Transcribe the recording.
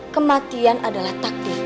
kematian adalah takdir